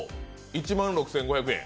１万６５００円。